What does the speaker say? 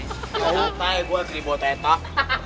santai gue ada di botet tok